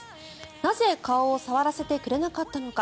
なぜ顔を触らせてくれなかったのか。